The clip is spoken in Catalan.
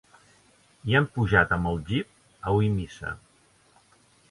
Hi han pujat amb el jeep a oir missa.